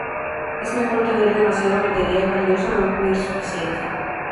Es mejor tener demasiado material valioso a no tener suficiente".